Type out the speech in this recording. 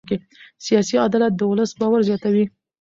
سیاسي عدالت د ولس باور زیاتوي